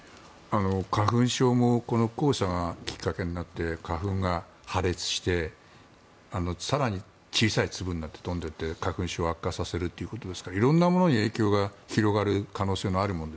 花粉症も黄砂がきっかけになって花粉が破裂して更に小さい粒になって飛んでいって花粉症を悪化させるということですから色んなものに影響が広がる可能性があるもの